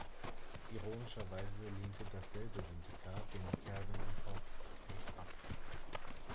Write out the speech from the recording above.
Ironischerweise lehnte dasselbe Syndikat den "Calvin-und-Hobbes"-Strip ab.